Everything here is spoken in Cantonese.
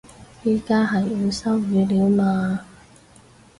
而家係要收語料嘛